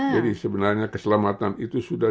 jadi sebenarnya keselamatan itu sudah